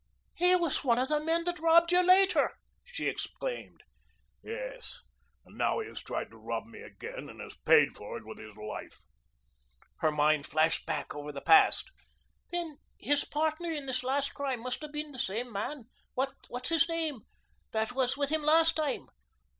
"He was one of the men that robbed you later!" she exclaimed. "Yes. And now he has tried to rob me again and has paid for it with his life." Her mind flashed back over the past. "Then his partner in this last crime must have been the same man what's his name? that was with him last time."